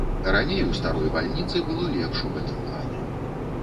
Раней у старой бальніцы было лепш у гэтым плане.